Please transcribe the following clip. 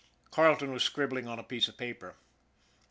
Carleton was scribbling on a piece of paper.